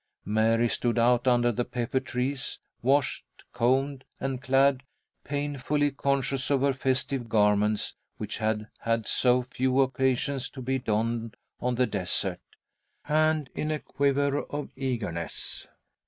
Mary stood out under the pepper trees, washed, combed, and clad, painfully conscious of her festive garments, which had had so few occasions to be donned on the desert, and in a quiver of eagerness.